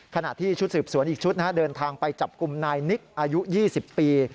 ขณะที่ชุดสืบสวนอีกชุดเดินทางไปจับกลุ่มนายนิกอายุ๒๐ปี